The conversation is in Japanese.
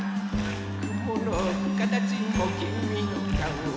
「くものかたちもきみのかお」